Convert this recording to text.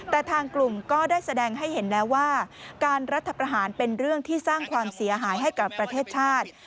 แต่ทางกลุ่มก็ได้แสดงให้เห็นแล้วว่าการรัฐประหารเป็นเรื่องที่สร้างความเสียหายให้กับประเทศชาติ